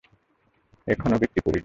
এখনো বিক্রি করিনি।